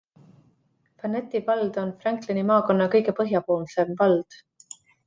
Fannetti vald on Franklini maakonna kõige põhjapoolsem vald.